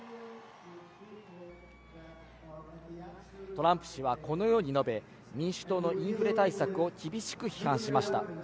トランプ氏はこのように述べ、民主党のインフレ対策を厳しく批判しました。